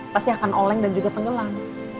pasti akan oleng dan juga tenggelam